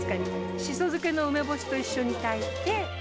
シソ漬けの梅干しと一緒に炊いて。